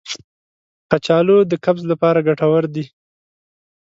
کچالو د قبض لپاره ګټور دی.